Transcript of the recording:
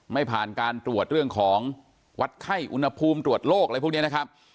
ไม่ผ่านการตรวจเรื่องของวัดไข้อุณหภูมิตรวจโรคอะไรพวกนี้นะครับ